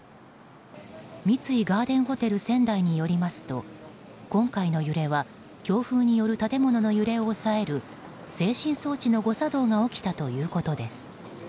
三井ガーデンホテル仙台によりますと今回の揺れは強風による建物の揺れを抑える制振装置の誤作動が起きたということです。